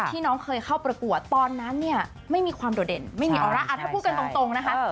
น้องเคยเข้าประกวดตอนนั้นเนี่ยไม่มีความโดดเด่นไม่มีออร่าถ้าพูดกันตรงนะคะ